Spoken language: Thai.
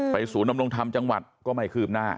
ไปสู่นำลงทำจังหวัดก็ไม่คืบหน้า